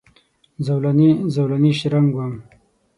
زولنې، زولنې شرنګ وم